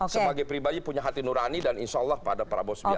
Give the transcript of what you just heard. sebagai pribadi punya hati nurani dan insya allah pada prabowo subianto